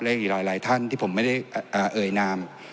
และอีกหลายท่านที่ผมไม่ได้เอ่ยนาม